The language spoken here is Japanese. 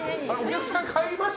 お客さん、帰りました？